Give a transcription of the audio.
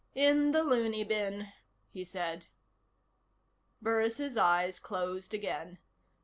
"In the looney bin," he said. Burris' eyes closed again.